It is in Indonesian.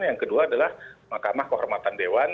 yang kedua adalah mahkamah kehormatan dewan